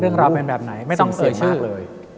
เรื่องเล่าเป็นแบบไหนไม่ต้องเหยื่อชื่อ